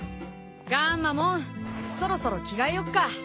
ガンマモンそろそろ着替えよっか。